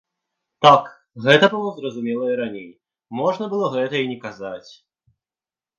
Так, гэта было зразумела і раней, можна было гэта і не казаць!